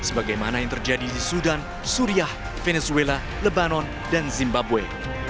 sebagaimana yang terjadi di sudan suriah venezuela lebanon dan zimbabwe